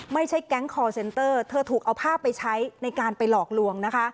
ไม่ใช่แก๊งคอร์เซ็นเตอร์เธอถูกเอาภาพไปใช้ในการไปหลอกลวงนะคะ